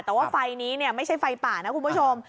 แต่ว่าไฟนี้ไม่ใช่ไฟป่านะคุณผู้ชม